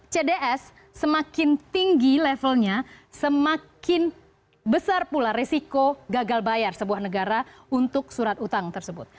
cds semakin tinggi levelnya semakin besar pula risiko gagal bayar sebuah negara untuk surat utang tersebut